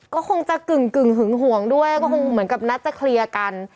ก็คงจะกึ่งหึงห่วงด้วยก็คงเหมือนกับนัดจะเคลียร์กัน